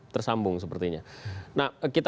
tersambung sepertinya nah kita